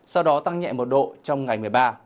sau đó tăng nhẹ một độ trong ngày một mươi ba